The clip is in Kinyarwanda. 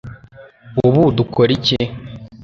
ubu dukora iki